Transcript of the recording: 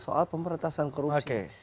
soal pemberantasan korupsi